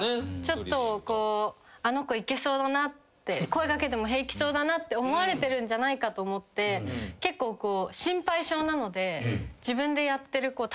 ちょっとこうあの子いけそうだなって声掛けても平気そうだなって思われてるんじゃないかと思って結構心配性なので。